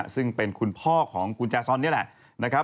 ซึ่งเป็นคุณพ่อของคุณแจซอนนี่แหละนะครับ